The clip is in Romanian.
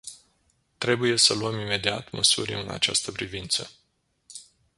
Trebuie să luăm imediat măsuri în această privință.